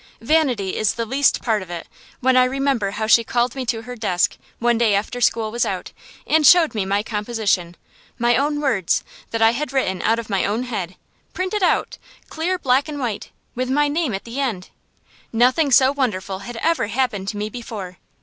Vanity is the least part of it, when I remember how she called me to her desk, one day after school was out, and showed me my composition my own words, that I had written out of my own head printed out, clear black and white, with my name at the end! Nothing so wonderful had ever happened to me before.